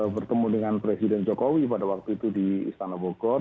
bertemu dengan presiden jokowi pada waktu itu di istana bogor